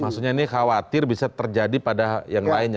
maksudnya ini khawatir bisa terjadi pada yang lainnya